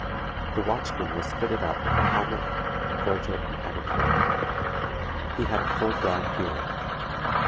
The watchman was fitted out with a helmet, gorget and a cloak. He had a full brown beard.